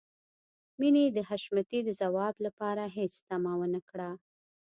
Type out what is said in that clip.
مينې د حشمتي د ځواب لپاره هېڅ تمه ونه کړه.